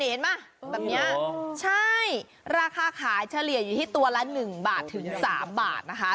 เห็นไหมแบบนี้ใช่ราคาขายเฉลี่ยอยู่ที่ตัวละ๑บาทถึง๓บาทนะคะ